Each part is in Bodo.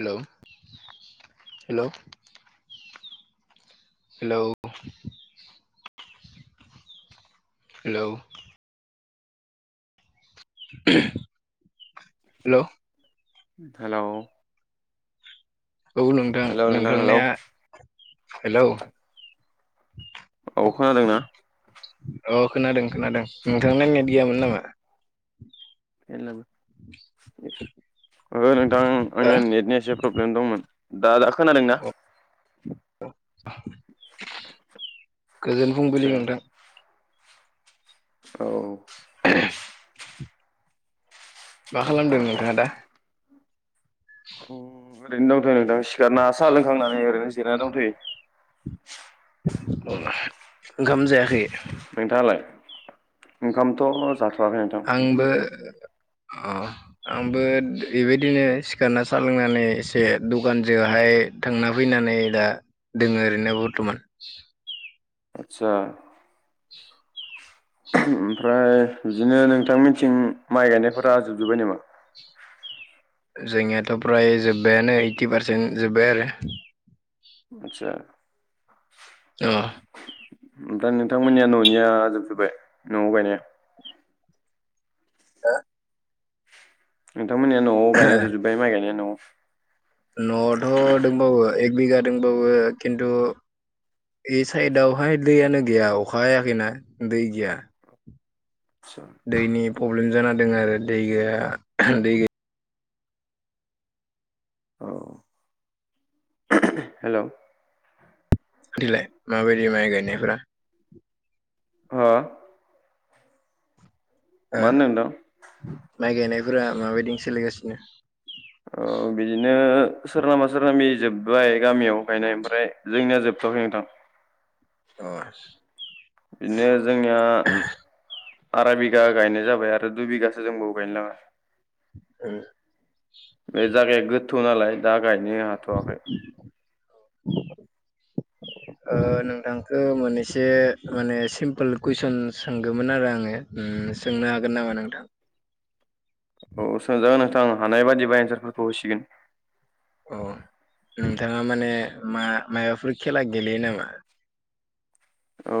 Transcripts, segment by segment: Hello hello hello hello [unintelligible] hello hello औ नोंथां हेलौ हेलौ नोंथांनाया हेलौ औ खोनादोंना अ खोनादों खोनादों नोंथां ना नेत गैयामोन नामा ओं नोंथां हो आंना नेटनि एसे प्रब्लेम दंमोन दा दा खोनादोंना अ गोजोन फुंबिलि आदसा नोंथां औ [inaudible] मा खालामदों नोंथाङा दा उम ओरैनो दंथ'यो नोंथां सिखारना साहा लोंखांनानै ओरैनो जि जिरायना दंथयो ओंखाम जायाखै नोंथाङालाय ओंखामथ' जाथ' आंबो अ आंबो बेबायदिनो सिखारना सा लोंनानै एसे दखानजोंहाय थांना फैनानै नै दा दोङो ओरैनो बर्थमान आतसा ओमफ्राय बिदिनो नोंथांमिथिं माइ गायनायफोरा जोबजोब्बाय नामा जोंनियाथ' फ्राय जोब्बायानो ओइटि पारसेन्ट जोब्बाय आरो आटचा। अ। ओमफ्राय नोंथांमोननिया न'निया जोबजोब्बाय न'आव गायनाया? हो? नोंथांमोननि न'आव गायनाया जोबजोबाय माइ गायनाया न'आव? न'आवथ' दंबावो एक बिगा दोंबावो खिन्थु बे साइदावहाय दैयानो गैया अखा हायाखैना दै गैया। आदसा दैनि प्रब्लेम जाना दोङो आरो दै गैया दै गै औ। हेलौ बिलाय माबायदि माइ गायनायफ्रा? हा? हो नोंथां? माइ गायनायफोरा माबायदि सोलिगासिनो? औ बिदिनो सोरनाबा सोरनाबा दिनि जोबबाय गामियाव गायनाय ओमफ्राय जोंनिया जोबथ'वाखै नोंथां। अ बिदिनो जोंनिया आरा बिघा गायनाय जाबाय आरो दुइ बिघासो दोंबावबो गायनो लागा। उम। बे जागाया गोथौ नालाय दा गायनो हाथ'वाखै। [inaudible] ओ नोंथांखो मोनैसो माने सिमपोल कुइसन सोंगोमोन आरो आङो। सोंनो हागोन नामा नोंथां? औ सोंजागोन नोंथां हानाय बादिबा एन्सारफोरखौ होसिगोन। अ नोंथाङा माने मा मायबाफोर खेला गेलेयो नामा? औ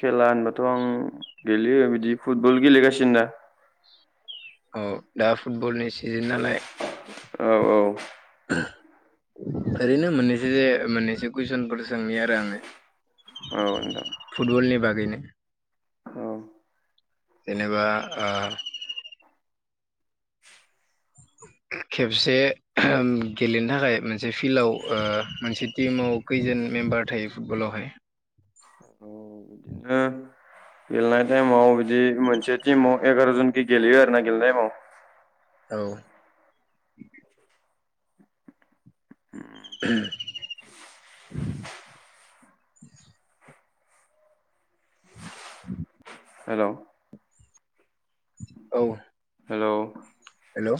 खेला होनबाथ' आं गेलेयो बिदि फुटबल गेलेगासिनो दा। औ दा फुटबलनि सिजोन नालाय। औ औ। ओरैनो मोननैसो जे मोननैसो कुइसनफोर सोंनि आरो आङो। औ नोंथां। बेनो। औ। जेनेबा ओ [inaudible] खेबसे गेलेनो थाखाय मोनसे फिल्डआव ओ मोनसे टिमाव खैजोन मेम्बार थायो फुटबलावहाय? अ बिदिनो गेलेनाय टाइमाव बिदि मोनसे टिमाव एगार' जोनखि गेलेयो आरोना गेलेनाय टाइमाव। औ। [inaudible] [inaudible] हेलौ औ। Hello hello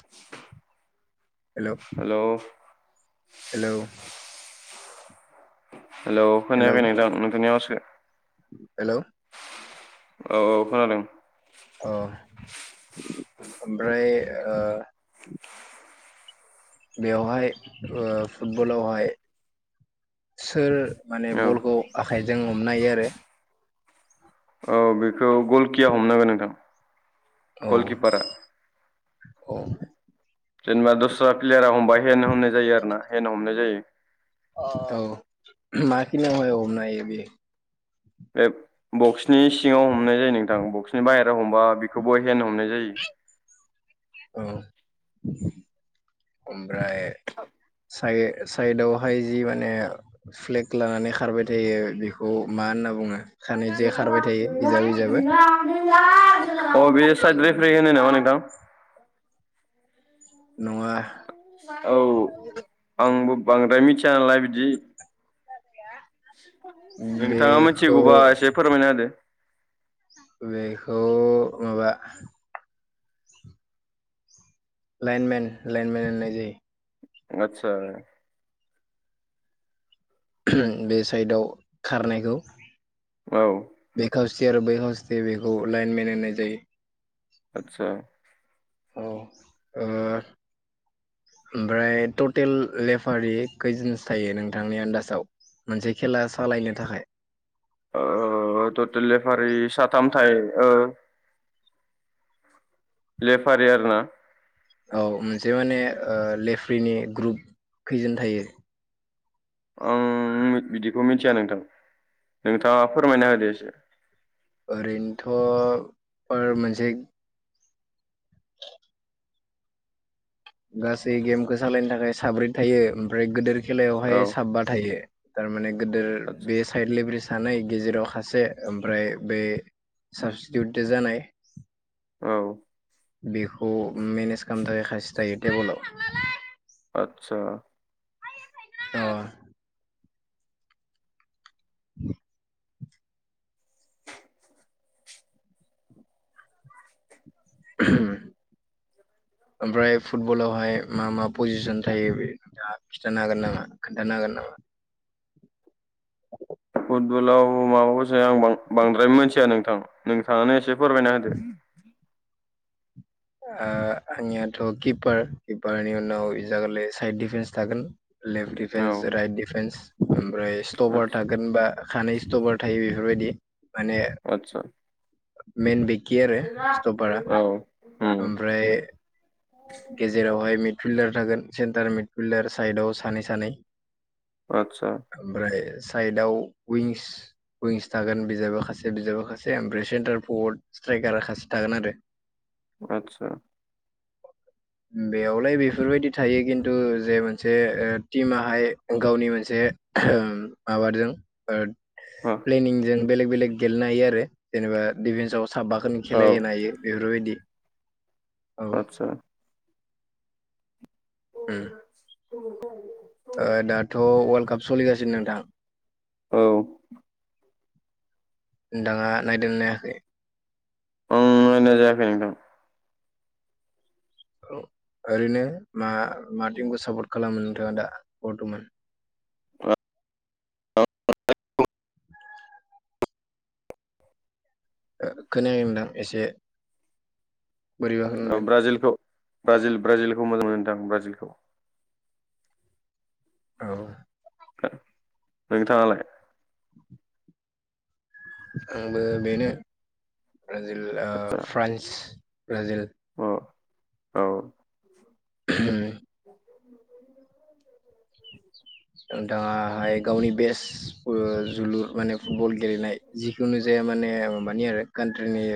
hello hello hello hello खोनायाखै नोंथां नोंथांनि आवासखो? हेलौ औ औ खोनादों। औ ओमफ्राय बेवहाय ओ फुटबलावहाय सोर माने औ बलखौ आखाइजों हमनाय आरो औ बेखौ गलकिया हमनांगोन नोंथां गलकिपारा अ जेनेबा दस्रा प्लेयारा हमबाय हेन हमनाय जायो आरो ना हेन हमनाय जायो। औ माखिनियाव हमनो हायो बियो बे बक्सनि सिङाव हमनाय जायो नोंथां बक्सनि बाहेर राव हमबा बेखौबो हेन हमनाय जायो। औ ओमफ्राय हाय साइडआवहाय जि माने फ्लेग लानानै खारबाय थायो बेखौ मा होनना बुङो? सानै जे [unintelligible] खारबाय थायो बिजाब अ बिजाबो बे साइद रेफारि होनो नामा नों हेलौ नङा औ आंबो बांद्राय मिथिया नालाय बिदि नोंथाङा बेखौ मिथिगौबा एसे फोरमायना होदो। बेखौ माबा लाइन मेन लाइन मेन होननाय जायो। आतसा बे साइडआव खारनायखौ औ सियार बै हस्थे बेखौ लाइन मेन होननाय जायो। आतसा औ ओ ओमफ्राय टटेल लेफारि कैजन्स थायो नोंथांनि आन्दाजाव मोनसे खेला सालायनो थाखाय ओ टटेल लेफारि साथाम थायो लेफारि आरो ना औ मोनसे माने ओ लेफ्रिनि ग्रुप खैजोन थायो? आं बिदिखौ मिथिया नोंथां नोंथाङा फोरमायना होदो एसे ओरैनोथ'फोर मोनसे गासै गेमखौ सालायनो थाखाय साब्रै थायो ओमफ्राय गोदोर औ खेलायावहाय साबा थायो थारमाने गोदोर आदसा बे साइड लेब्रे सानै गेजेराव खासे ओमफ्राय बे साबस्टिटिउट जानाय औ बिहु मेनेज खालामनो थाखाय खासे थायो [unintelligible] टेबोलाव आतसा अ [inaudible] [unintelligible] ओमफ्राय फुटबलावहाय मा मा पजिसन थायो बे [inaudible] खिथानो हागोन नामा खोन्थानो हागोन नामा? गोलाव माबाबो जाया आं बां-बांद्राय मिथिया नोंथां नोंथाङानो एसे फोरमायना होदो ओ आंनियाथ' किपार किपारनि उनाव इजा गोलोय साइद डिफेन्स थागोन। लेफ्ट औ डिफेन्स राइट डिफेन्स ओमफ्राय स्टभार आदसा थागोन बा खानै स्टभार थायो बेफोरबायदि माने आदसा मेन बेकखै आरो स्थ'पारा औ उम ओमफ्राय गेजेरावहाय मिडफिल्डार थागोन। सेन्टार मिड फिल्डार साइदाव सानै सानै आदसा ओमफ्राय साइडआव उइंगस उइंगस थागोन बिजाबा खासे बिजाबा खासे ओमफ्राय सेन्टार पवर्ड स्ट्राइकारा खासे थागोन आरो। आदसा बेयावलाय बेफोरबायदि थायो खिन्थु जे मोनसे टिमाहाय गावनि मोनसे, माबाजों ओ ओ प्लेनिं जों बेलेक बेलेग गेलेनो हायो आरो जेनेबा डिफेन्सआव साबाखोननो औ खेलाय होनोहायो बेफोरबायदि, औ आदसा उम [unintelligible] ओ दाथ' वर्ल्ड काप सोलिगासिनो नोंथां, औ नोथाङा नायदोंना नायाखै, ओं नायनाय जायाखै नोंथां, औ ओरैनो मा मा टिमखौ सापर्ट खालामो नोंथाङा दा बर्थमान, खोनायो होनदां एसे, बोरैबा खोनादों ब्राजिलखौ ब्राजिल ब्राजिलखौ मोजां मोनो नोंथां ब्राजिलखौ, औ नोंथाङालाय, आंबो बेनो ब्राजिल ओ आदसा फ्रान्स ब्राजिल अ औ [unintelligible] दाहाय गावनि बेस्ट जोलुर माने फुटबल गेलेनाय जिखुनु जाया माने, इनि आरे कान्ट्रिनि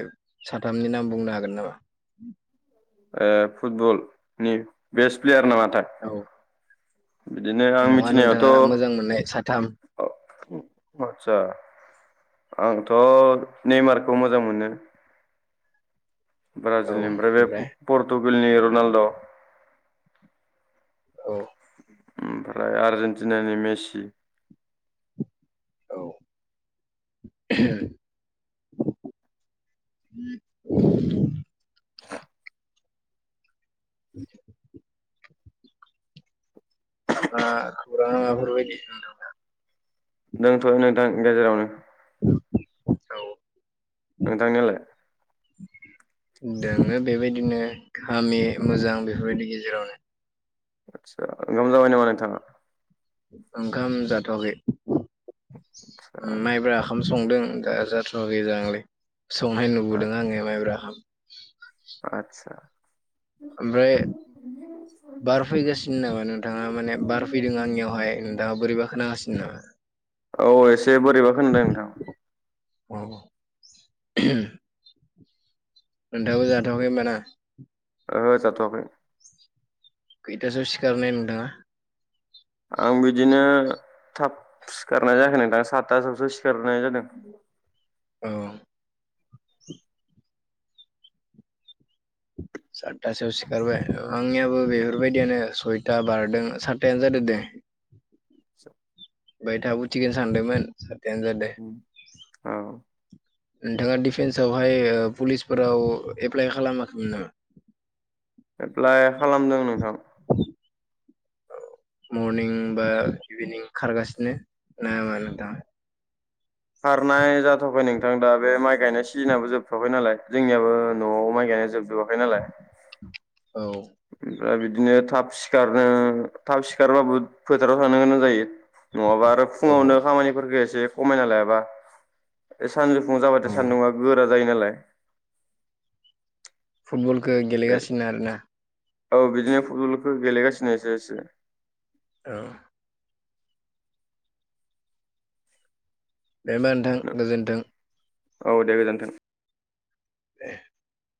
साथामनि नाम बुंनो हागोन नामा? फुटबलनि बेस्ट प्लेयार नामा? औ बिदिनो आं नङा मिथिनायावथ' नोंथाङा मोजां मोननाय साथाम आदसा आंथ' नेमारखौ मोजां मोनो, ब्राजिलनि ओमफ्राय बे पर्तुगालनि रनालद' औ ओमफ्राय आर्जेेनटिनानि मेसि, औ, आ [unintelligible] दंथ'यो नोंथां गेजेरावनो, औ नोंथांनियालाय? दोङो बेबायदिनो खामि मोजां बेफोरबायदि गेजेरावनो, आदसा ओंखाम जाबाय नामा नोंथाङा? ओंखाम जाथ'वाखै माइब्रा ओंखाम, संदों दा जाथ'वाखै आलाय संहैनो आदसा नुबोदों आङो माइब्राखाम, आदसा ओमफ्राय बारफैगासिनो नामा? नोंथाङा माने बारफैदों आंनियावहाय नोंथाङा बोरैबा खोनागासि ना औ एसे बोरैबा खोनादों नोंथां, अ, नोंथाङाबो जाथ'वाखै ओमबा ना? ओ जाथ'वाखै खैथासो सिखारनाय नोंथाङा? आं बिदिनो थाब सिखारनाय जायाखै नोंथां सातथासोआवसो सिखारनाय जादों औ सातथासोआव सिखारबाय आंनियाबो बेफोरबायदियानो सयता बारदों सातथायानो जादो दे [inaudible] [inaudible] फाय थाब उथिगोन सानदोमोन उ औ नोंथाङा डिफेन्सावहाय पुलिसफोराव एप्लाय खालामाखैमोन नामा? एप्लाइ खालामदों नोंथां [inaudible] अ मरनिं बा इभिनिं खारगासिनो ना मा नोंथाङा? खारनाय जाथ'वाखै नोंथां दा बे माइ गायनाय सिजोनाबो जोबथ'वाखै नालाय जोंनियाबो न'आव माइ गाय [unintelligible] औ ओमफ्राय बिदिनो थाब सिखारनो थाब सिखारबाबो फोथाराव थांनो गोनां जायो। नङाबा आरो औ फुङावनो खामानिफोरखौ एसे खमायना लायाबा एस सानजुफुं औ जाबाथाय सान्दुंआ गोरा जायो नालाय फुटबलखौ बे गेलेगासिनो आरोना औ बिदिनो फुटबलखौ गेलेगासिनो एसे-एसे औ दे ओमबा नोंथां गोजोनथों औ दे गोजोन्थों [inaudible]